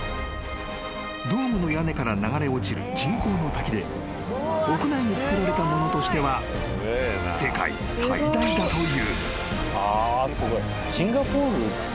［ドームの屋根から流れ落ちる人工の滝で屋内に作られたものとしては世界最大だという］